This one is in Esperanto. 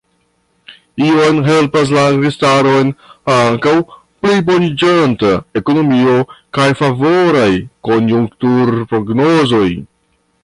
Iom helpas la registaron ankaŭ pliboniĝanta ekonomio kaj favoraj konjunktur-prognozoj.